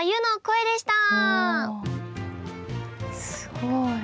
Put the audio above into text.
すごい。